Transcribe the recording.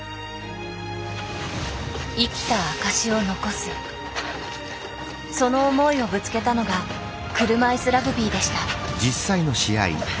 もうよしもうこれはその思いをぶつけたのが車いすラグビーでした。